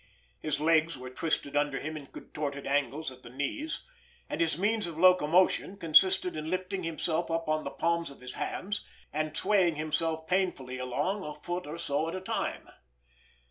His legs were twisted under him in contorted angles at the knees, and his means of locomotion consisted in lifting himself up on the palms of his hands and swaying himself painfully along a foot or so at a time.